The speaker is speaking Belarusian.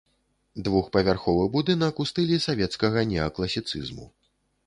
Двухпавярховы будынак у стылі савецкага неакласіцызму.